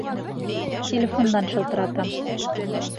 Телефондан шылтыратам.